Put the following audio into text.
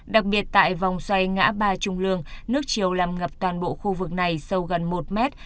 đặc biệt tại vòng xoay ngã ba trung lương nước chiều làm ngập toàn bộ khu vực này sâu gần một mét